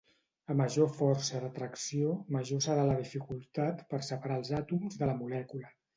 A major força d'atracció major serà la dificultat per separar els àtoms de la molècula.